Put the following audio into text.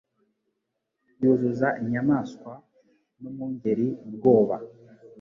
yuzuza inyamaswa n'umwungeri ubwoba